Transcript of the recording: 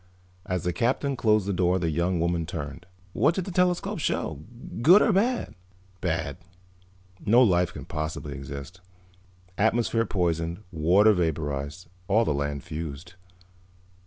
As the Captain closed the door the young woman turned. "What did the telescope show? Good or bad?" "Bad. No life could possibly exist. Atmosphere poisoned, water vaporized, all the land fused."